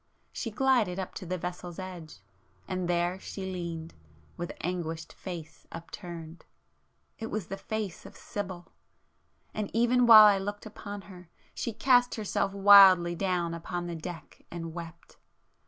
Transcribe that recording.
She glided to the vessel's edge, and there she leaned, with anguished face upturned,—it was the face of Sibyl! And even while I looked [p 472] upon her, she cast herself wildly down upon the deck and wept!